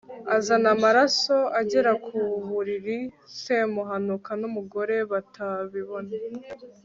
azana amaraso, agera ku buriri semuhanuka n'umugore batabibona